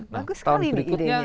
bagus sekali nih idenya